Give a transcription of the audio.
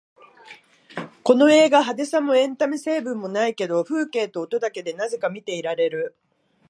この映画、派手さもエンタメ成分もないけど風景と音だけでなぜか見ていられる